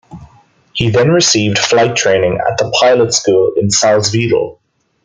He then received flight training at the pilot school in Salzwedel.